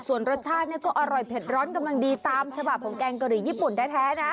ส่วนรสชาติก็อร่อยเผ็ดร้อนกำลังดีตามฉบับของแกงกะหรี่ญี่ปุ่นแท้นะ